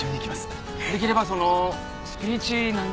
できればそのスピーチなんかも。